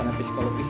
di jalan ini